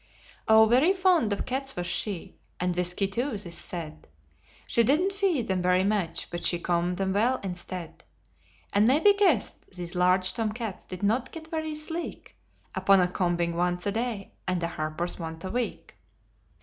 "Oh, very fond of cats was she, and whiskey, too, 'tis said, She didn't feed 'em very much, but she combed 'em well instead: As may be guessed, these large tom cats did not get very sleek Upon a combing once a day and a 'haporth' once a week.